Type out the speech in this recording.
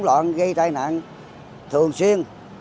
hỗn rộng gây tai nạn thường xuyên